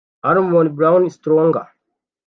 Almon Brown Strowger